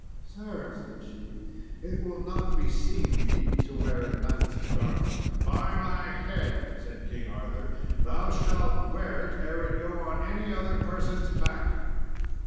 "Sir," said she, "it will not beseem me to wear a knight's garment." "By my head," said King Arthur, "thou shall wear it ere it go on any other person's back!"